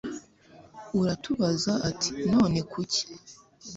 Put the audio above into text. aratubaza ati none kuki